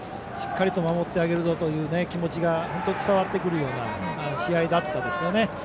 しっかりと守ってあげるぞという気持ちが伝わってくるような試合だったですよね。